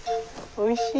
おいしい？